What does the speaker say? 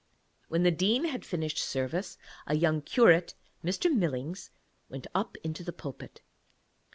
When the Dean had finished service, a young curate, Mr. Millings, went up into the pulpit.